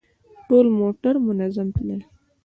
ټول موټر منظم تلل.